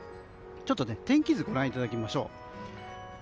ちょっと天気図をご覧いただきましょう。